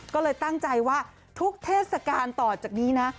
ก็เลยตั้งใจว่าทุกเทศกาลต่อจากนี้นะ